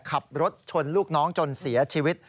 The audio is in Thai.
ขับรถชนลูกน้องจนเสียชีวิต